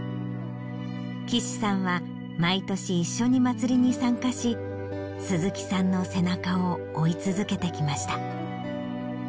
貴志さんは毎年一緒にまつりに参加し鈴木さんの背中を追い続けてきました。